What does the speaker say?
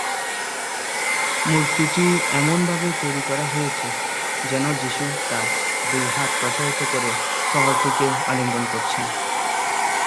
মূর্তিটি এমনভাবে তৈরি করা হয়েছে যেন যিশু তার দুই হাত প্রসারিত করে শহরটিকে আলিঙ্গন করছেন।